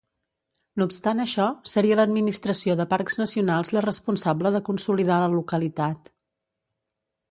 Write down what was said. No obstant això, seria l'Administració de Parcs Nacionals la responsable de consolidar la localitat.